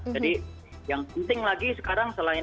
jadi yang penting lagi sekarang selain